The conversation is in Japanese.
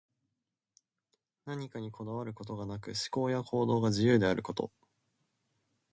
何かにこだわることがなく、思考や行動が自由であること。